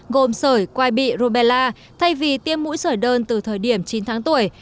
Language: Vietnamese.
gồm sởi quay bị rubella thay vì tiêm mũi sởi đơn từ thời điểm chín tháng tuổi